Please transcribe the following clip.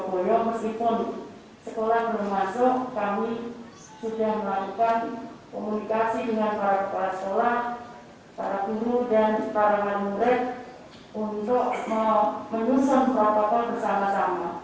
goyong meskipun sekolah belum masuk kami sudah melakukan komunikasi dengan para kepala sekolah para guru dan para murid untuk menyusun protokol bersama sama